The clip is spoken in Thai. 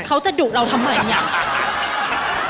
เขาจะดุเราทำไมอย่างนั้น